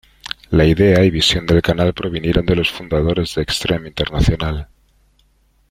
La idea y visión del canal provinieron de los fundadores de Extreme Internacional.